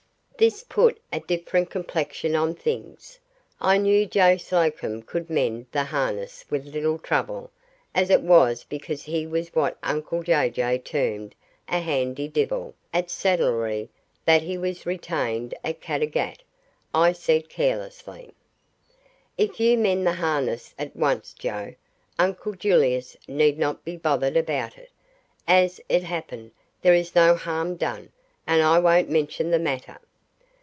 This put a different complexion on things. I knew Joe Slocombe could mend the harness with little trouble, as it was because he was what uncle Jay Jay termed a "handy divil" at saddlery that he was retained at Caddagat. I said carelessly: "If you mend the harness at once, Joe, uncle Julius need not be bothered about it. As it happened, there is no harm done, and I won't mention the matter."